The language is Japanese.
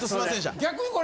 逆にこれ。